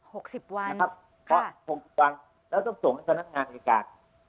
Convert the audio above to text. หกสิบวันนะครับเพราะหกสิบวันแล้วต้องส่งให้พนักงานอายการ